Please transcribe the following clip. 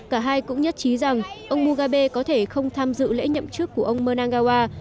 cả hai cũng nhất trí rằng ông mugabe có thể không tham dự lễ nhậm chức của ông mernagawa